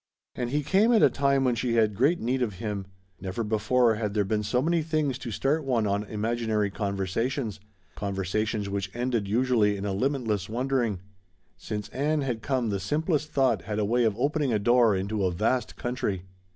And he came at a time when she had great need of him. Never before had there been so many things to start one on imaginary conversations, conversations which ended usually in a limitless wondering. Since Ann had come the simplest thought had a way of opening a door into a vast country.